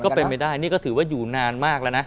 ก็เป็นไปได้นี่ก็ถือว่าอยู่นานมากแล้วนะ